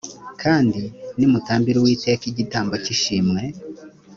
kandi nimutambira uwiteka igitambo cy’ishimwe